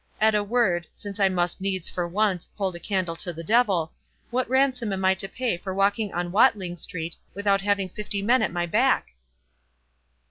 At a word—since I must needs, for once, hold a candle to the devil—what ransom am I to pay for walking on Watling street, without having fifty men at my back?"